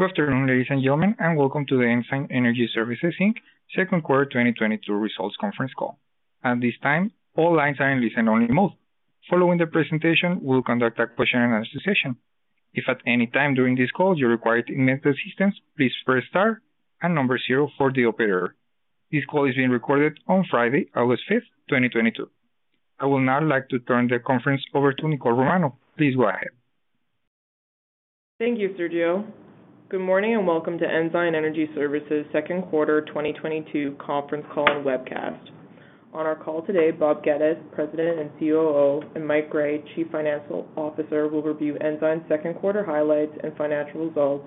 Good afternoon, ladies and gentlemen, and welcome to the Ensign Energy Services Inc. second quarter 2022 results conference call. At this time, all lines are in listen only mode. Following the presentation, we'll conduct a Q&A session. If at any time during this call you require any assistance, please press star and number zero for the operator. This call is being recorded on Friday, August 5th, 2022. I would now like to turn the conference over to Nicole Romanow. Please go ahead. Thank you, Sergio. Good morning and welcome to Ensign Energy Services second quarter 2022 conference call and webcast. On our call today, Bob Geddes, President and COO, and Mike Gray, Chief Financial Officer, will review Ensign's second quarter highlights and financial results,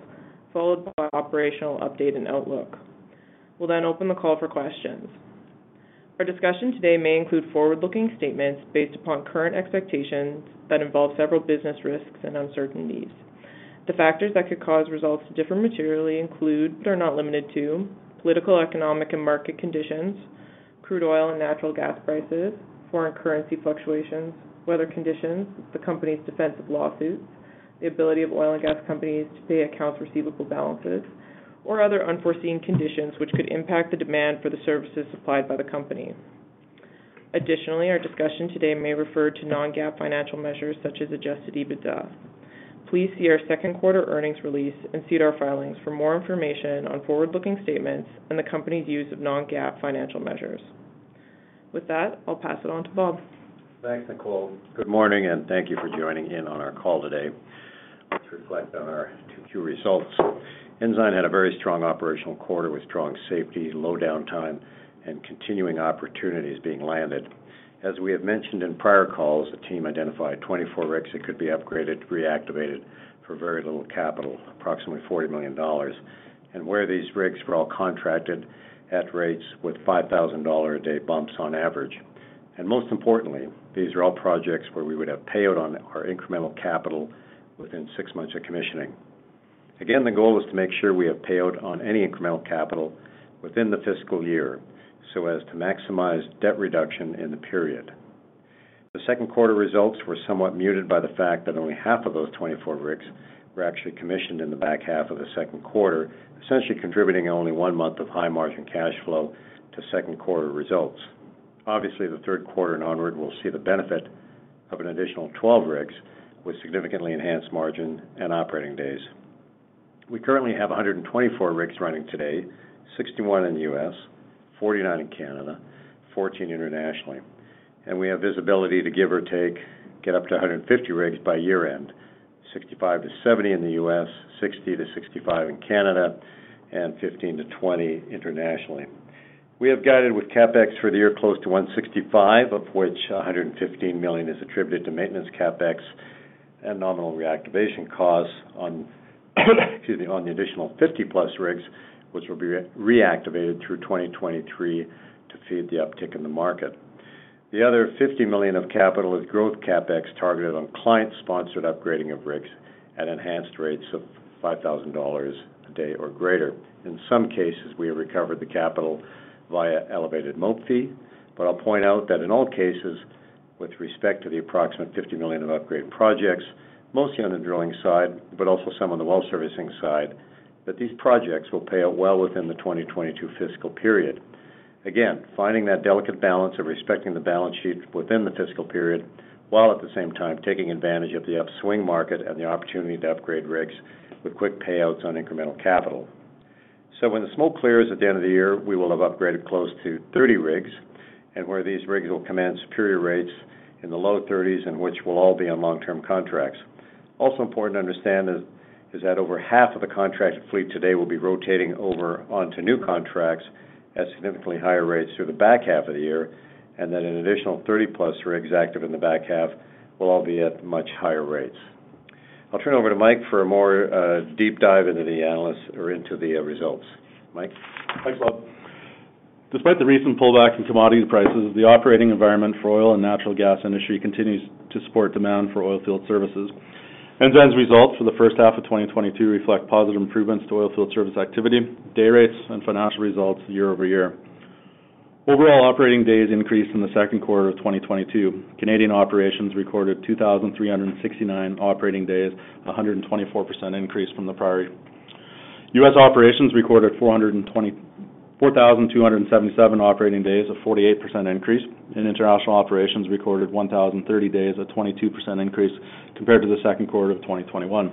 followed by operational update and outlook. We'll then open the call for questions. Our discussion today may include forward-looking statements based upon current expectations that involve several business risks and uncertainties. The factors that could cause results to differ materially include, but are not limited to, political, economic and market conditions, crude oil and natural gas prices, foreign currency fluctuations, weather conditions, the company's defensive lawsuits, the ability of oil and gas companies to pay accounts receivable balances, or other unforeseen conditions which could impact the demand for the services supplied by the company. Additionally, our discussion today may refer to non-GAAP financial measures such as adjusted EBITDA. Please see our second quarter earnings release and see our filings for more information on forward-looking statements and the company's use of non-GAAP financial measures. With that, I'll pass it on to Bob. Thanks, Nicole. Good morning and thank you for joining in on our call today to reflect on our 2Q results. Ensign had a very strong operational quarter with strong safety, low downtime, and continuing opportunities being landed. As we have mentioned in prior calls, the team identified 24 rigs that could be upgraded, reactivated for very little capital, approximately 40 million dollars. Where these rigs were all contracted at rates with 5,000 dollar a day bumps on average. Most importantly, these are all projects where we would have payout on our incremental capital within six months of commissioning. Again, the goal is to make sure we have payout on any incremental capital within the fiscal year so as to maximize debt reduction in the period. The second quarter results were somewhat muted by the fact that only half of those 24 rigs were actually commissioned in the back half of the second quarter, essentially contributing only one month of high margin cash flow to second quarter results. Obviously, the third quarter and onward will see the benefit of an additional 12 rigs with significantly enhanced margin and operating days. We currently have 124 rigs running today, 61 in the U.S., 49 in Canada, 14 internationally. We have visibility to give or take, get up to 150 rigs by year-end, 65-70 in the U.S., 60-65 in Canada, and 15-20 internationally. We have guided with CapEx for the year close to 165 million, of which 115 million is attributed to maintenance CapEx and nominal reactivation costs on, excuse me, on the additional 50+ rigs, which will be reactivated through 2023 to feed the uptick in the market. The other 50 million of capital is growth CapEx targeted on client-sponsored upgrading of rigs at enhanced rates of $5,000 a day or greater. In some cases, we have recovered the capital via elevated mobilization fee. I'll point out that in all cases, with respect to the approximate 50 million of upgrade projects, mostly on the drilling side, but also some on the well servicing side, that these projects will pay out well within the 2022 fiscal period. Finding that delicate balance of respecting the balance sheet within the fiscal period, while at the same time taking advantage of the upswing market and the opportunity to upgrade rigs with quick payouts on incremental capital. When the smoke clears at the end of the year, we will have upgraded close to 30 rigs, and where these rigs will command superior rates in the low 30s, and which will all be on long-term contracts. Also important to understand is that over half of the contracted fleet today will be rotating over onto new contracts at significantly higher rates through the back half of the year, and then an additional 30+ rigs active in the back half will all be at much higher rates. I'll turn over to Mike for a more deep dive into the analysts or into the results. Mike? Thanks, Bob. Despite the recent pullback in commodity prices, the operating environment for oil and natural gas industry continues to support demand for oil field services. Ensign's results for the first half of 2022 reflect positive improvements to oil field service activity, day rates, and financial results year over year. Overall operating days increased in the second quarter of 2022. Canadian operations recorded 2,369 operating days, a 124% increase from the prior year. U.S. operations recorded 4,277 operating days, a 48% increase, and international operations recorded 1,030 days, a 22% increase compared to the second quarter of 2021.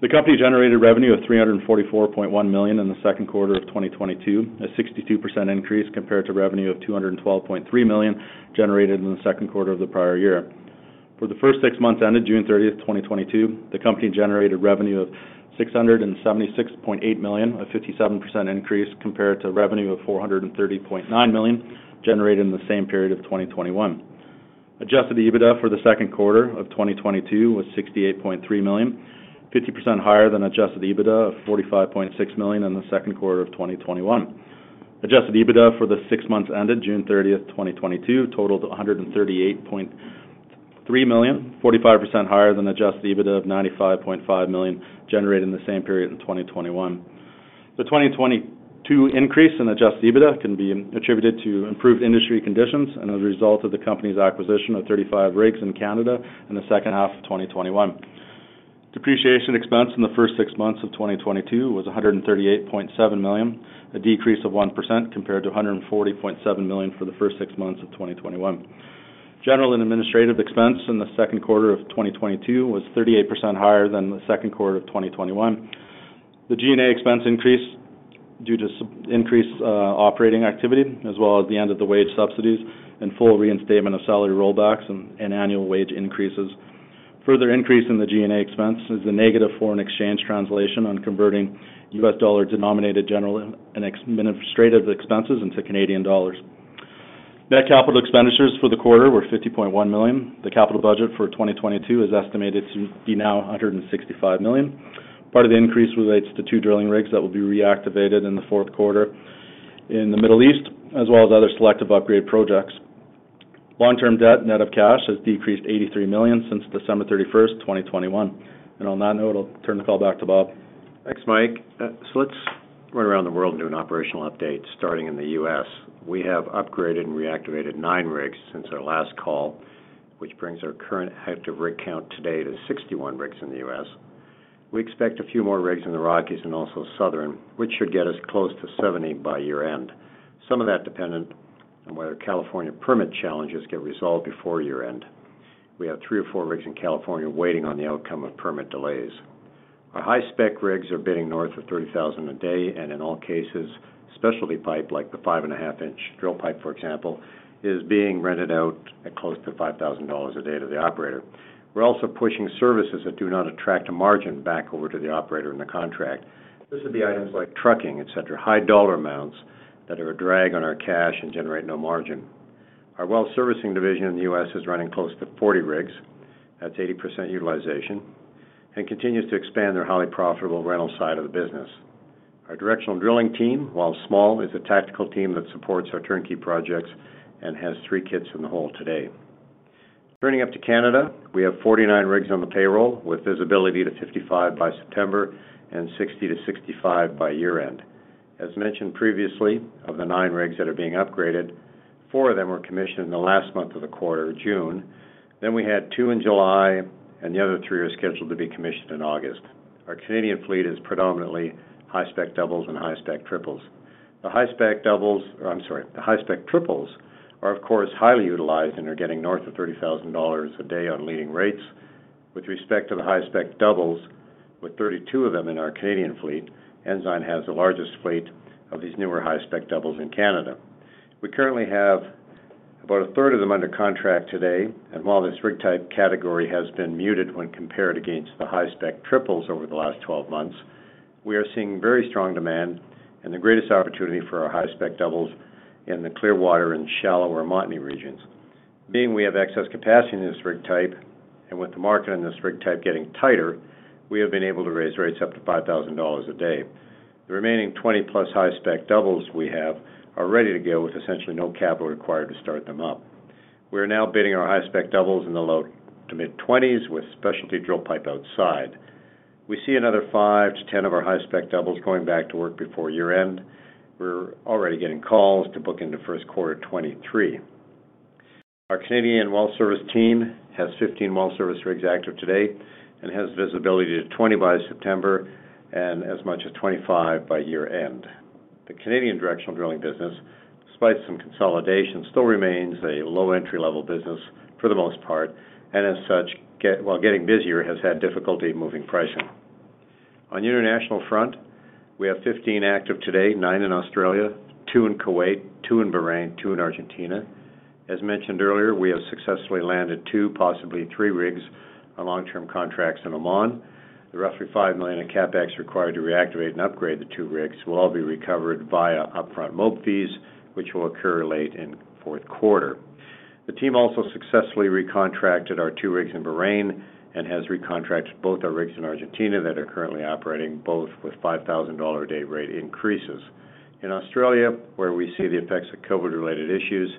The company generated revenue of 344.1 million in the second quarter of 2022, a 62% increase compared to revenue of 212.3 million generated in the second quarter of the prior year. For the first six months ended June 30th, 2022, the company generated revenue of 676.8 million, a 57% increase compared to revenue of 430.9 million generated in the same period of 2021. Adjusted EBITDA for the second quarter of 2022 was 68.3 million, 50% higher than adjusted EBITDA of 45.6 million in the second quarter of 2021. Adjusted EBITDA for the six months ended June 30th, 2022, totaled 138.3 million, 45% higher than adjusted EBITDA of 95.5 million generated in the same period in 2021. The 2022 increase in adjusted EBITDA can be attributed to improved industry conditions and as a result of the company's acquisition of 35 rigs in Canada in the second half of 2021. Depreciation expense in the first six months of 2022 was 138.7 million, a decrease of 1% compared to 140.7 million for the first six months of 2021. General and administrative expense in the second quarter of 2022 was 38% higher than the second quarter of 2021. The G&A expense increased due to increased operating activity as well as the end of the wage subsidies and full reinstatement of salary rollbacks and annual wage increases. Further increase in the G&A expense is the negative foreign exchange translation on converting US dollar-denominated general and administrative expenses into Canadian dollars. Net capital expenditures for the quarter were 50.1 million. The capital budget for 2022 is estimated to be now 165 million. Part of the increase relates to two drilling rigs that will be reactivated in the fourth quarter in the Middle East, as well as other selective upgrade projects. Long-term debt, net of cash, has decreased 83 million since December 31st., 2021. On that note, I'll turn the call back to Bob. Thanks, Mike. Let's run around the world and do an operational update starting in the U.S. We have upgraded and reactivated nine rigs since our last call, which brings our current active rig count today to 61 rigs in the U.S. We expect a few more rigs in the Rockies and also Southern, which should get us close to 70 by year-end, some of that dependent on whether California permit challenges get resolved before year-end. We have three or four rigs in California waiting on the outcome of permit delays. Our high-spec rigs are bidding north of $30,000 a day, and in all cases, specialty pipe, like the 5.5-inch drill pipe, for example, is being rented out at close to $5,000 a day to the operator. We're also pushing services that do not attract a margin back over to the operator in the contract. This would be items like trucking, et cetera, high dollar amounts that are a drag on our cash and generate no margin. Our well servicing division in the U.S. is running close to 40 rigs, that's 80% utilization, and continues to expand their highly profitable rental side of the business. Our directional drilling team, while small, is a tactical team that supports our turnkey projects and has three kits in the hole today. Turning to Canada, we have 49 rigs on the payroll with visibility to 55 by September and 60-65 by year-end. As mentioned previously, of the nine rigs that are being upgraded, four of them were commissioned in the last month of the quarter, June. We had two in July, and the other three are scheduled to be commissioned in August. Our Canadian fleet is predominantly high-spec doubles and high-spec triples. The high-spec triples are, of course, highly utilized and are getting north of 30,000 dollars a day on leading rates. With respect to the high-spec doubles, with 32 of them in our Canadian fleet, Ensign has the largest fleet of these newer high-spec doubles in Canada. We currently have about 1/3 of them under contract today, and while this rig type category has been muted when compared against the high-spec triples over the last 12 months, we are seeing very strong demand and the greatest opportunity for our high-spec doubles in the Clearwater and shallower Montney regions. Being we have excess capacity in this rig type, and with the market in this rig type getting tighter, we have been able to raise rates up to 5,000 dollars a day. The remaining 20+ high-spec doubles we have are ready to go with essentially no capital required to start them up. We are now bidding our high-spec doubles in the low-to-mid-20s with specialty drill pipe outside. We see another five to 10 of our high-spec doubles going back to work before year-end. We're already getting calls to book into first quarter 2023. Our Canadian well service team has 15 well service rigs active today and has visibility to 20 by September and as much as 25 by year-end. The Canadian directional drilling business, despite some consolidation, still remains a low entry-level business for the most part, and as such while getting busier, has had difficulty moving pricing. On international front, we have 15 active today, nine in Australia, two in Kuwait, two in Bahrain, two in Argentina. As mentioned earlier, we have successfully landed two, possibly three rigs on long-term contracts in Oman. The roughly 5 million in CapEx required to reactivate and upgrade the 2 rigs will all be recovered via upfront mob fees, which will occur late in fourth quarter. The team also successfully recontracted our two rigs in Bahrain and has recontracted both our rigs in Argentina that are currently operating, both with $5,000 a day rate increases. In Australia, where we see the effects of COVID-related issues,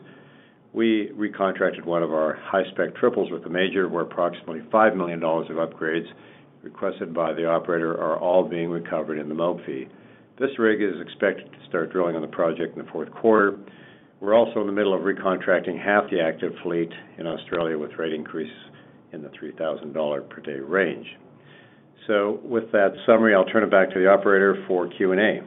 we recontracted one of our high-spec triples with a major, where approximately $5 million of upgrades requested by the operator are all being recovered in the mobilization fee. This rig is expected to start drilling on the project in the fourth quarter. We're also in the middle of recontracting half the active fleet in Australia with rate increases in the $3,000 per day range. With that summary, I'll turn it back to the operator for Q&A.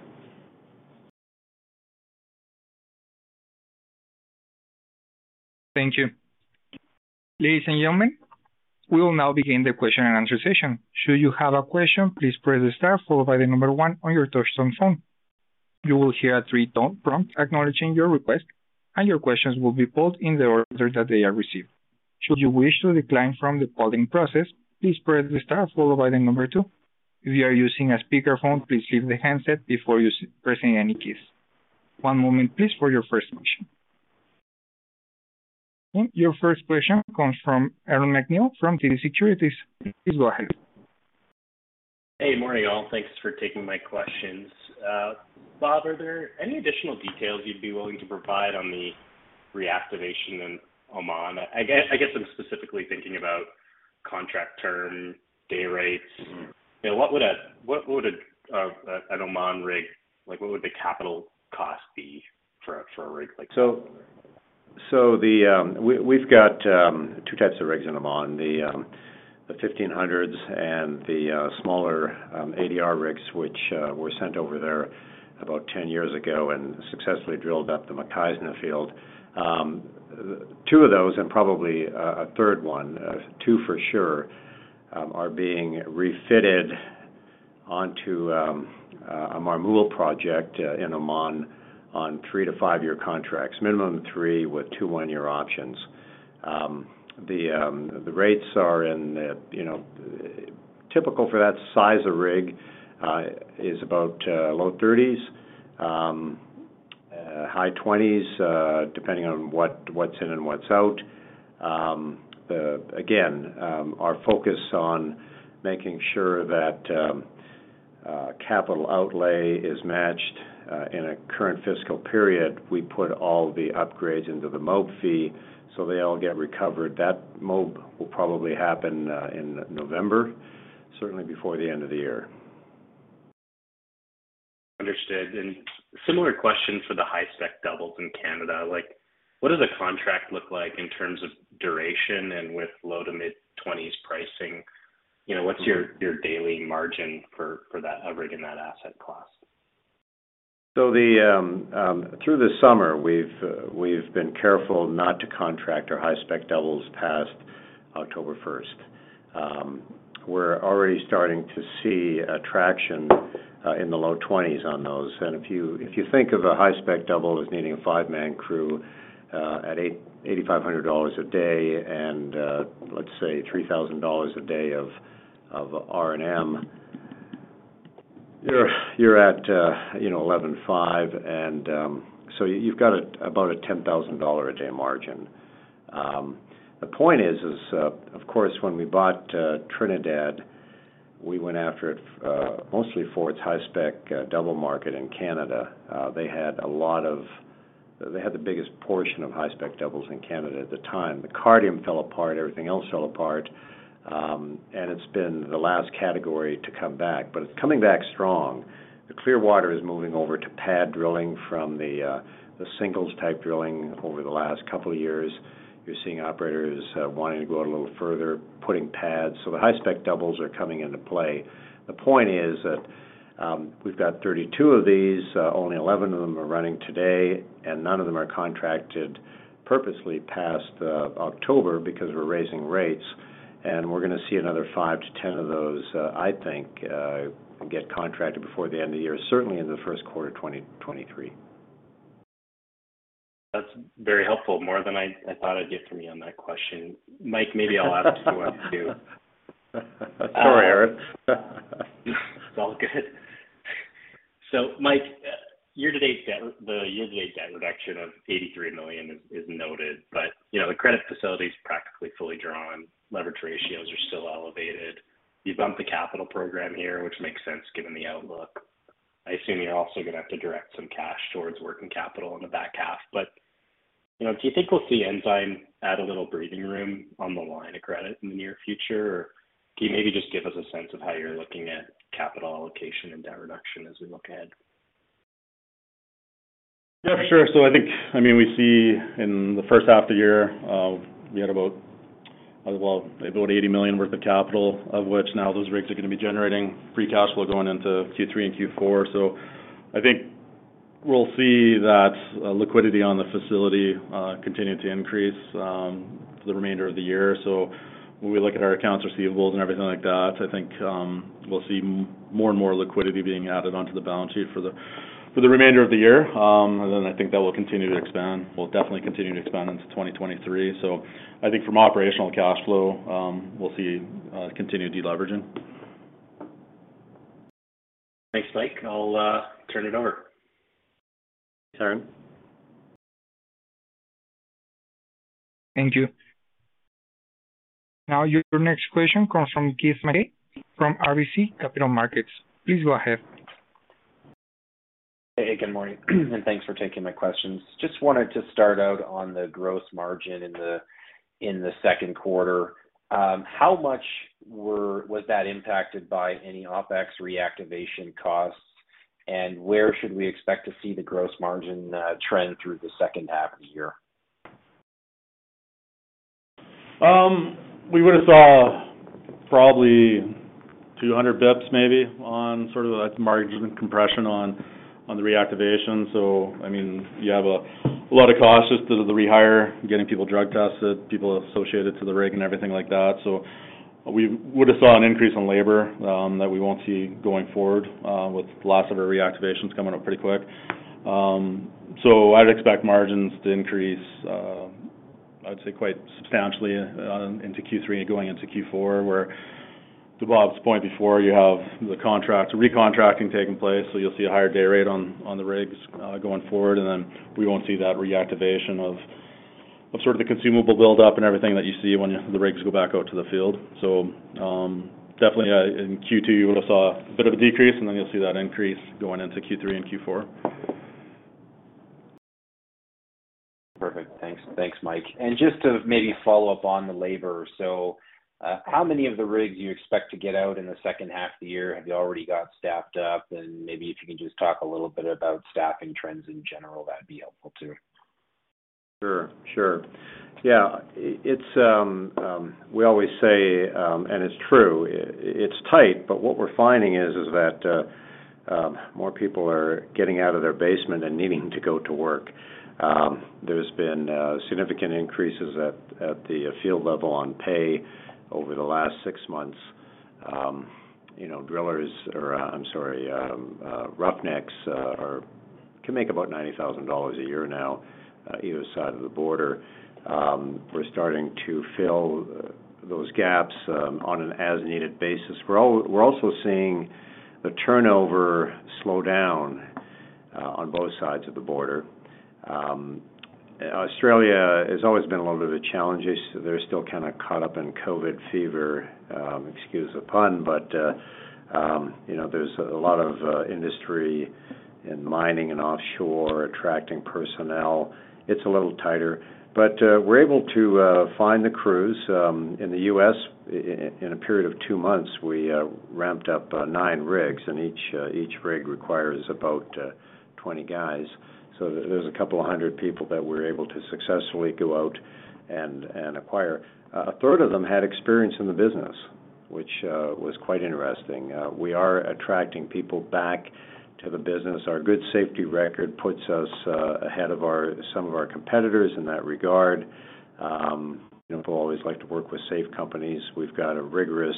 Thank you. Ladies and gentlemen, we will now begin the Q&A session. Should you have a question, please press the star followed by the number one on your touchtone phone. You will hear a three-tone prompt acknowledging your request, and your questions will be pulled in the order that they are received. Should you wish to decline from the polling process, please press the star followed by the number two. If you are using a speakerphone, please leave the handset before you press any keys. One moment please for your first question. Your first question comes from Aaron MacNeil from TD Securities. Please go ahead. Hey, morning all. Thanks for taking my questions. Bob, are there any additional details you'd be willing to provide on the reactivation in Oman? I guess I'm specifically thinking about contract term, day rates. Mm-hmm. You know, what would an Oman rig, like, what would the capital cost be for a rig like that? We've got two types of rigs in Oman, the 1500 HP and the smaller ADR rigs, which were sent over there about 10 years ago and successfully drilled up the Mukhaizna field. Two of those and probably a third one, two for sure, are being refitted onto a Marmul project in Oman on three- to five-year contracts, minimum three with two one-year options. The rates are in, you know, typical for that size of rig, is about low 30s, high 20s, depending on what's in and what's out. Again, our focus on making sure that capital outlay is matched in a current fiscal period. We put all the upgrades into the MOB fee, so they all get recovered. That MOB will probably happen in November, certainly before the end of the year. Understood. Similar question for the high-spec doubles in Canada. Like, what does the contract look like in terms of duration and with low- to mid-20s pricing? You know, what's your daily margin for that, a rig in that asset class? Through the summer, we've been careful not to contract our high-spec doubles past October first. We're already starting to see traction in the low 20s on those. If you think of a high-spec double as needing a five-man crew at 8,850 dollars a day and let's say 3,000 dollars a day of R&M, you're at you know 11,500. You've got about a 10,000 dollar a day margin. The point is of course when we bought Trinidad we went after it mostly for its high-spec double market in Canada. They had the biggest portion of high-spec doubles in Canada at the time. The Cardium fell apart, everything else fell apart, and it's been the last category to come back, but it's coming back strong. The Clearwater is moving over to pad drilling from the singles type drilling over the last couple of years. You're seeing operators wanting to go a little further, putting pads. The high-spec doubles are coming into play. The point is that we've got 32 of these, only 11 of them are running today, and none of them are contracted purposely past October because we're raising rates. We're going to see another five to 10 of those, I think, get contracted before the end of the year, certainly in the first quarter 2023. That's very helpful. More than I thought I'd get from you on that question. Mike, maybe I'll ask you one too. Sorry, Aaron. It's all good. Mike, year-to-date debt reduction of 83 million is noted, but you know, the credit facility is practically fully drawn. Leverage ratios are still elevated. You bumped the capital program here, which makes sense given the outlook. I assume you're also gonna have to direct some cash towards working capital in the back half. You know, do you think we'll see Ensign add a little breathing room on the line of credit in the near future? Or can you maybe just give us a sense of how you're looking at capital allocation and debt reduction as we look ahead? Yeah, sure. I think, I mean, we see in the first half of the year, we had about, well, about 80 million worth of capital, of which now those rigs are gonna be generating free cash flow going into Q3 and Q4. I think we'll see that, liquidity on the facility, continue to increase, for the remainder of the year. When we look at our accounts receivables and everything like that, I think, we'll see more and more liquidity being added onto the balance sheet for the remainder of the year. I think that will continue to expand. We'll definitely continue to expand into 2023. I think from operational cash flow, we'll see continued deleveraging. Thanks, Mike. I'll turn it over. Aaron. Thank you. Now your next question comes from Keith Mackey from RBC Capital Markets. Please go ahead. Hey, good morning, and thanks for taking my questions. Just wanted to start out on the gross margin in the second quarter. How much was that impacted by any OpEx reactivation costs, and where should we expect to see the gross margin trend through the second half of the year? We would have saw probably 200 basis points maybe on sort of the margin compression on the reactivation. I mean, you have a lot of costs just to the rehire, getting people drug tested, people associated to the rig and everything like that. We would have saw an increase in labor that we won't see going forward with lots of our reactivations coming up pretty quick. I'd expect margins to increase, I'd say, quite substantially into Q3 and going into Q4, where, to Bob's point before, you have the contract recontracting taking place. You'll see a higher day rate on the rigs going forward, and then we won't see that reactivation of sort of the consumable build-up and everything that you see when the rigs go back out to the field. Definitely, in Q2, you would have saw a bit of a decrease, and then you'll see that increase going into Q3 and Q4. Perfect. Thanks. Thanks, Mike. Just to maybe follow up on the labor. How many of the rigs you expect to get out in the second half of the year? Have you already got staffed up? Maybe if you can just talk a little bit about staffing trends in general, that'd be helpful too. Sure. Yeah. It's tight, but what we're finding is that more people are getting out of their basement and needing to go to work. There's been significant increases at the field level on pay over the last six months. You know, roughnecks can make about 90,000 dollars a year now, either side of the border. We're starting to fill those gaps on an as-needed basis. We're also seeing the turnover slow down on both sides of the border. Australia has always been a little bit of a challenge. They're still kind of caught up in COVID fever, excuse the pun, but you know, there's a lot of industry and mining and offshore attracting personnel. It's a little tighter. We're able to find the crews. In the U.S., in a period of two months, we ramped up nine rigs, and each rig requires about 20 guys. So, there's a couple of 100 people that we're able to successfully go out and acquire. 1/3 of them had experience in the business, which was quite interesting. We are attracting people back to the business. Our good safety record puts us ahead of some of our competitors in that regard. You know, people always like to work with safe companies. We've got a rigorous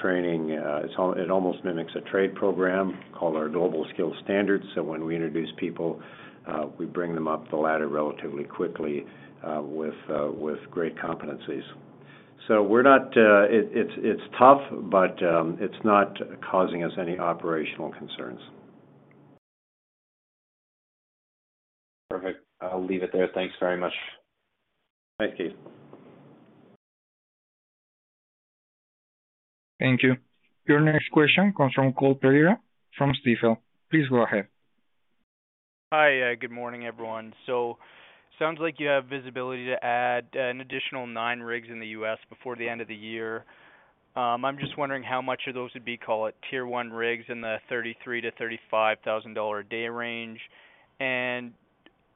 training. It almost mimics a trade program called our Noble Skill Standards. When we introduce people, we bring them up the ladder relatively quickly, with great competencies. We're not, it's tough, but it's not causing us any operational concerns. Perfect. I'll leave it there. Thanks very much. Thanks, Keith. Thank you. Your next question comes from Cole Pereira from Stifel. Please go ahead. Hi. Yeah, good morning, everyone. Sounds like you have visibility to add an additional nine rigs in the U.S. before the end of the year. I'm just wondering how much of those would be, call it, Tier 1 rigs in the $33,000-$35,000 a day range.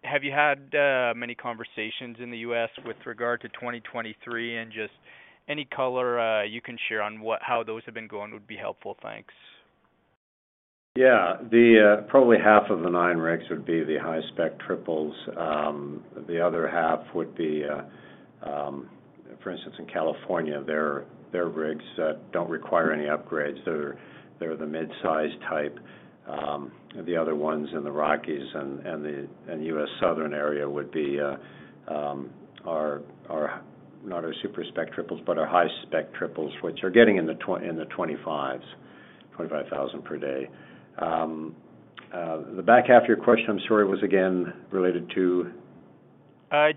Have you had many conversations in the U.S. with regard to 2023? Just any color you can share on how those have been going would be helpful. Thanks. Yeah. Probably half of the nine rigs would be the high-spec triples. The other half would be, for instance, in California, their rigs that don't require any upgrades. They're the mid-size type. The other ones in the Rockies and the U.S. Southern area would be not our super-spec triples, but our high-spec triples, which are getting in the CAD 25,000s, 25,000 per day. The back half of your question, I'm sorry, was again related to?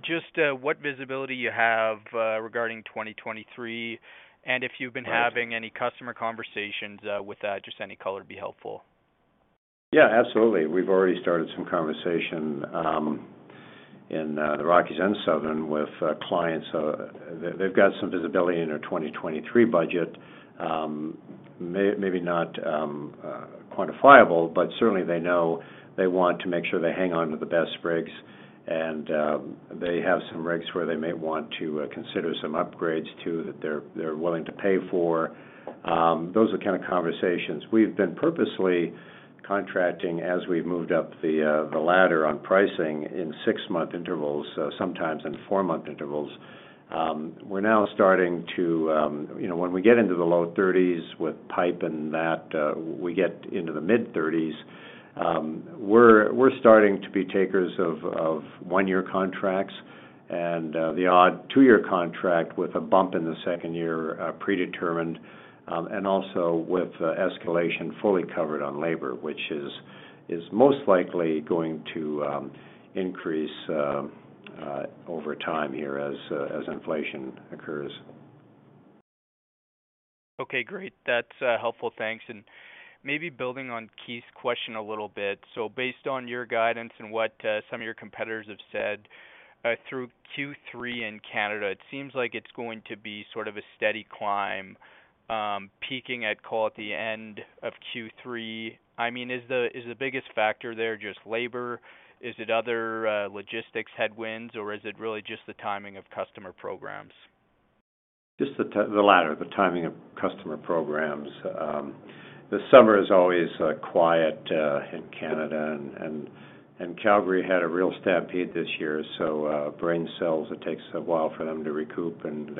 Just what visibility you have regarding 2023, and if you've been having? Right. Any customer conversations with that? Just any color would be helpful. Yeah, absolutely. We've already started some conversation in the Rockies and Southern with clients. They've got some visibility in their 2023 budget. Maybe not quantifiable, but certainly they know they want to make sure they hang on to the best rigs, and they have some rigs where they may want to consider some upgrades to that they're willing to pay for. Those are the kind of conversations. We've been purposely contracting as we've moved up the ladder on pricing in six-month intervals, sometimes in four-month intervals. We're now starting to, you know, when we get into the low 30s with pipe and that, we get into the mid-30s, we're starting to be takers of one-year contracts and the odd two-year contract with a bump in the second year, predetermined, and also with escalation fully covered on labor, which is most likely going to increase over time here as inflation occurs. Okay, great. That's helpful. Thanks. Maybe building on Keith's question a little bit. Based on your guidance and what some of your competitors have said through Q3 in Canada, it seems like it's going to be sort of a steady climb, peaking at, call it, the end of Q3. I mean, is the biggest factor there just labor? Is it other logistics headwinds, or is it really just the timing of customer programs? Just the latter, the timing of customer programs. The summer is always quiet in Canada, and Calgary had a real stampede this year, so brain cells, it takes a while for them to recoup and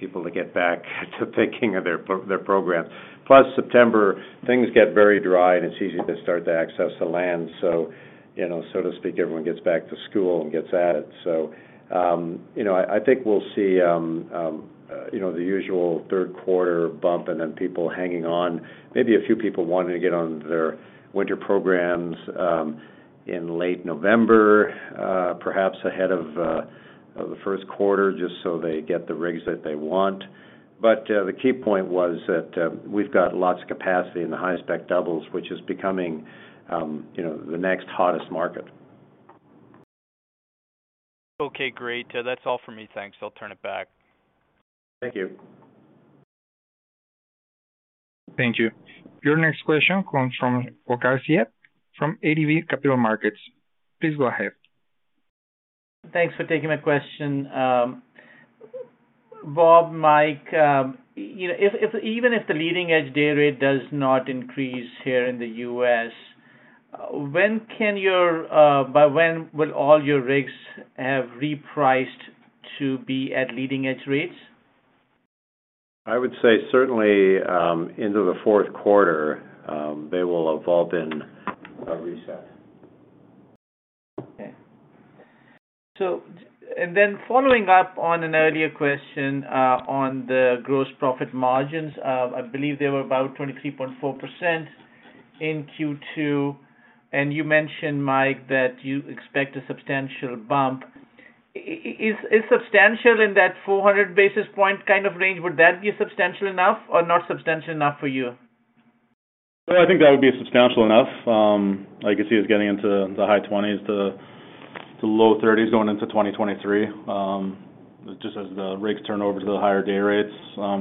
people to get back to thinking of their program. Plus, September, things get very dry, and it's easy to start to access the land. You know, so to speak, everyone gets back to school and gets at it. I think we'll see the usual third quarter bump and then people hanging on, maybe a few people wanting to get on their winter programs in late November, perhaps ahead of the first quarter, just so they get the rigs that they want. The key point was that we've got lots of capacity in the high-spec doubles, which is becoming, you know, the next hottest market. Okay, great. That's all for me. Thanks. I'll turn it back. Thank you. Thank you. Your next question comes from Waqar Syed from ATB Capital Markets. Please go ahead. Thanks for taking my question. Bob, Mike, you know, even if the leading-edge day rate does not increase here in the U.S., by when will all your rigs have repriced to be at leading-edge rates? I would say certainly, into the fourth quarter, they will have all been reset. Following up on an earlier question on the gross profit margins, I believe they were about 23.4% in Q2. You mentioned, Mike, that you expect a substantial bump. Is substantial in that 400 basis points kind of range, would that be substantial enough or not substantial enough for you? I think that would be substantial enough. I could see us getting into the high 20s to low 30s going into 2023, just as the rigs turn over to the higher day rates.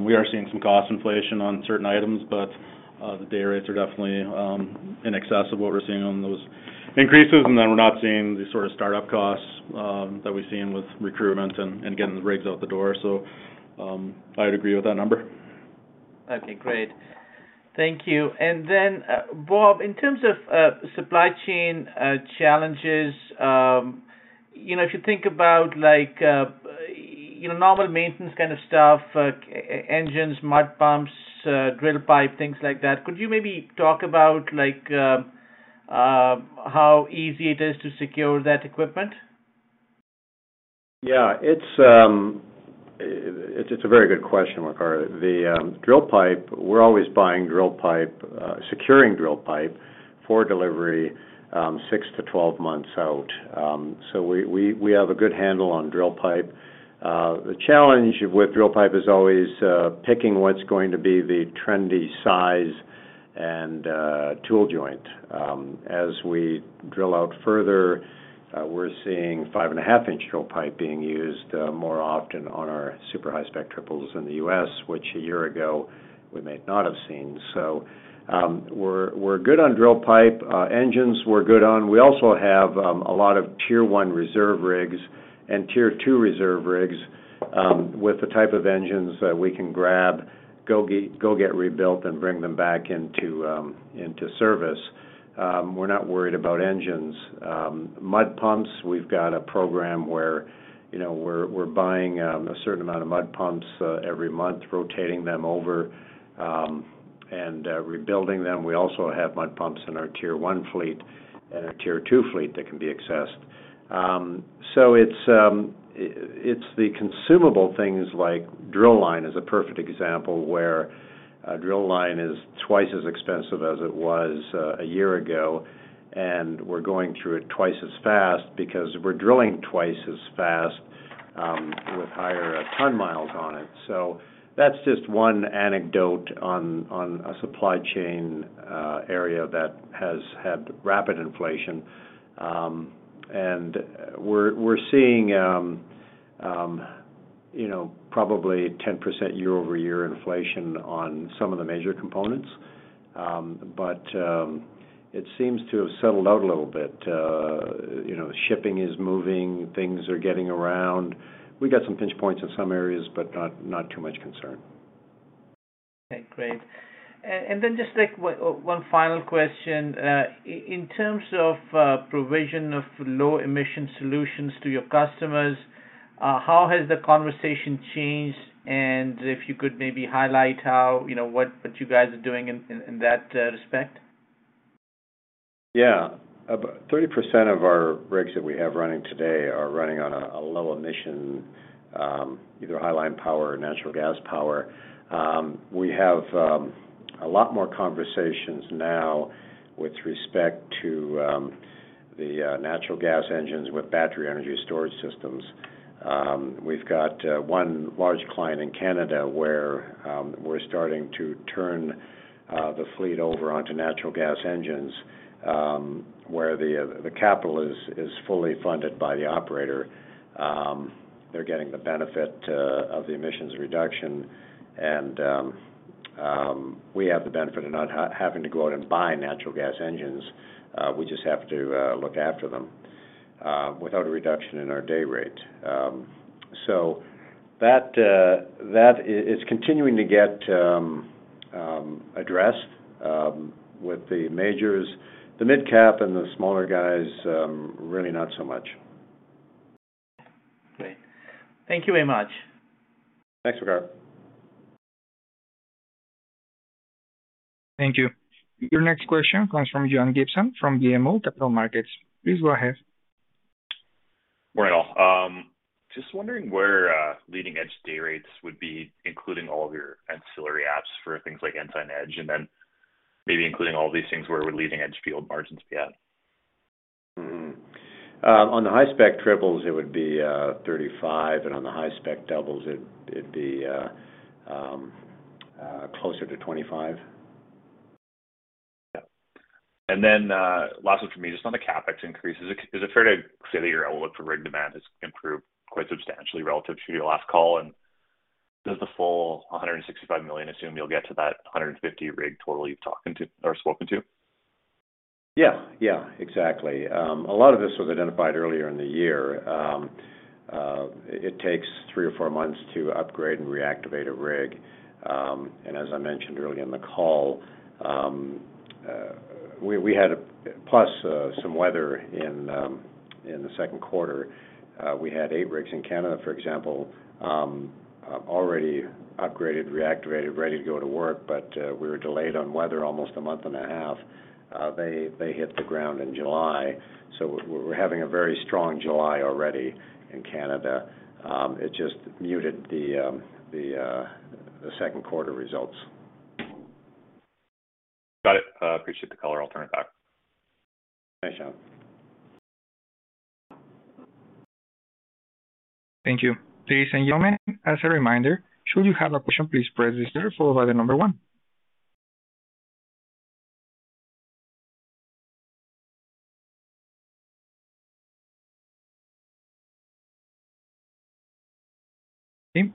We are seeing some cost inflation on certain items, but the day rates are definitely in excess of what we're seeing on those increases. We're not seeing the sort of start-up costs that we've seen with recruitment and getting the rigs out the door. I'd agree with that number. Okay, great. Thank you. Bob, in terms of supply chain challenges, you know, if you think about like, you know, normal maintenance kind of stuff, engines, mud pumps, drill pipe, things like that, could you maybe talk about like, how easy it is to secure that equipment? Yeah, it's a very good question, Waqar. The drill pipe, we're always buying drill pipe, securing drill pipe for delivery, six to 12 months out. We have a good handle on drill pipe. The challenge with drill pipe is always picking what's going to be the trendy size and tool joint. As we drill out further, we're seeing 5.5-inch drill pipe being used more often on our super high-spec triples in the U.S., which a year ago we might not have seen. We're good on drill pipe. Engines we're good on. We also have a lot of Tier 1 reserve rigs and Tier 2 reserve rigs with the type of engines that we can grab, get rebuilt and bring them back into service. We're not worried about engines. Mud pumps, we've got a program where, you know, we're buying a certain amount of mud pumps every month, rotating them over and rebuilding them. We also have mud pumps in our Tier 1 fleet and our Tier 2 fleet that can be accessed. It's the consumable things like drill line is a perfect example where a drill line is twice as expensive as it was a year ago, and we're going through it twice as fast because we're drilling twice as fast with higher ton-miles on it. That's just one anecdote on a supply chain area that has had rapid inflation. We're seeing, you know, probably 10% year-over-year inflation on some of the major components. It seems to have settled out a little bit. You know, shipping is moving, things are getting around. We've got some pinch points in some areas, but not too much concern. Okay, great. Then just like one final question. In terms of provision of low emission solutions to your customers, how has the conversation changed? If you could maybe highlight how, you know, what you guys are doing in that respect. Yeah. About 30% of our rigs that we have running today are running on a low emission, either high-line power or natural gas power. We have a lot more conversations now with respect to the natural gas engines with battery energy storage systems. We've got one large client in Canada where we're starting to turn the fleet over onto natural gas engines, where the capital is fully funded by the operator. They're getting the benefit of the emissions reduction, and we have the benefit of not having to go out and buy natural gas engines, we just have to look after them, without a reduction in our day rate. That is continuing to get addressed with the majors. The midcap and the smaller guys, really not so much. Okay. Thank you very much. Thanks, Waqar. Thank you. Your next question comes from John Gibson from BMO Capital Markets. Please go ahead. Morning, all. Just wondering where leading edge day rates would be including all of your ancillary apps for things like Ensign Edge, and then maybe including all these things, where would leading edge field margins be at? On the high-spec triples it would be 35, and on the high-spec doubles it'd be closer to 25. Last one for me. Just on the CapEx increases, is it fair to say that your outlook for rig demand has improved quite substantially relative to your last call? Does the full 165 million assume you'll get to that 150 rig total you've been talking about or spoken about? Yeah. Exactly. A lot of this was identified earlier in the year. It takes three or four months to upgrade and reactivate a rig. As I mentioned earlier in the call, we had plus some weather in the second quarter. We had eight rigs in Canada, for example, already upgraded, reactivated, ready to go to work, but we were delayed on weather almost a month and a half. They hit the ground in July, so we're having a very strong July already in Canada. It just muted the second quarter results. Got it. Appreciate the color. I'll turn it back. Thanks, John. Thank you. Ladies and gentlemen, as a reminder, should you have a question, please press star followed by the number one.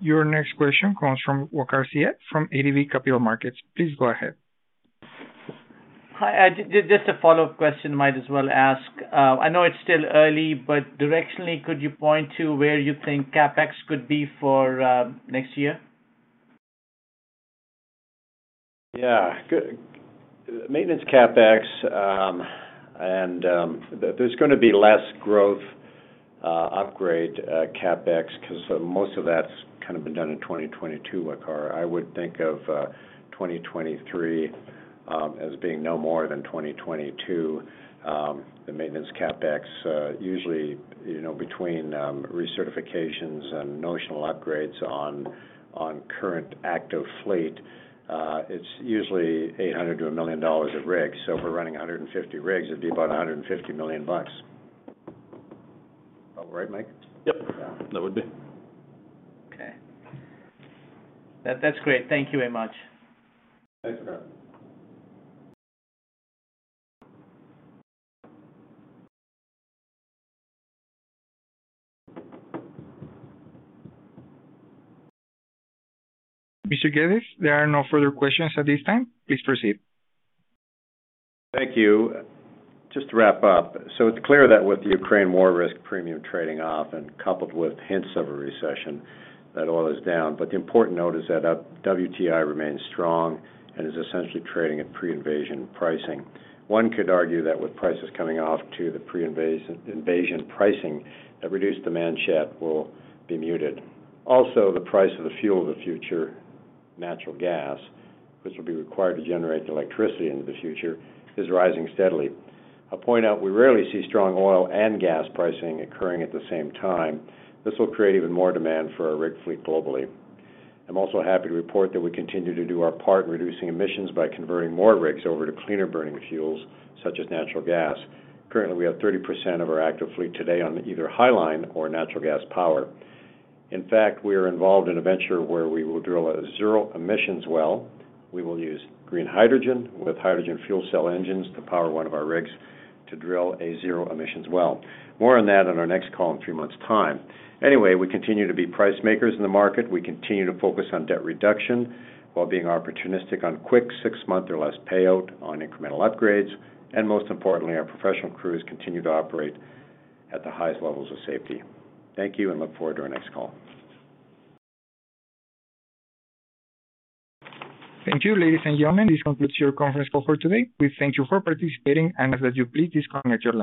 Your next question comes from Waqar Syed from ATB Capital Markets. Please go ahead. Hi. Just a follow-up question, might as well ask. I know it's still early, but directionally, could you point to where you think CapEx could be for next year? Yeah. Good maintenance CapEx, and there's going to be less growth upgrade CapEx cause most of that's kind of been done in 2022, Waqar. I would think of 2023 as being no more than 2022. The maintenance CapEx usually, you know, between recertifications and notional upgrades on current active fleet, it's usually 800 thousand-1 million dollars a rig. So, if we're running 150 rigs, it'd be about 150 million bucks. About right, Mike? Yep. Yeah. That would be. Okay. That's great. Thank you very much. Thanks, Waqar. Mr. Geddes, there are no further questions at this time. Please proceed. Thank you. Just to wrap up. It's clear that with the Ukraine war risk premium trading off and coupled with hints of a recession, that oil is down. The important note is that WTI remains strong and is essentially trading at pre-invasion pricing. One could argue that with prices coming off to the pre-invasion pricing, a reduced demand shock will be muted. Also, the price of the fuel of the future, natural gas, which will be required to generate the electricity into the future, is rising steadily. I'll point out we rarely see strong oil and gas pricing occurring at the same time. This will create even more demand for our rig fleet globally. I'm also happy to report that we continue to do our part in reducing emissions by converting more rigs over to cleaner burning fuels such as natural gas. Currently, we have 30% of our active fleet today on either high-line or natural gas power. In fact, we are involved in a venture where we will drill a zero emission well. We will use green hydrogen with hydrogen fuel cell engines to power one of our rigs to drill a zero emission well. More on that on our next call in three months time. Anyway, we continue to be price makers in the market. We continue to focus on debt reduction while being opportunistic on quick six-month or less payout on incremental upgrades. Most importantly, our professional crews continue to operate at the highest levels of safety. Thank you, and look forward to our next call. Thank you. Ladies and gentlemen, this concludes your conference call for today. We thank you for participating and ask that you please disconnect your lines.